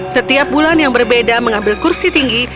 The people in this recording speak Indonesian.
setiap bulan yang berbeda mengambil kursi tinggi